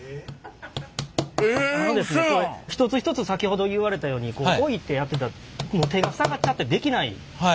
これ一つ一つ先ほど言われたように置いてやってたら手が塞がっちゃってできない。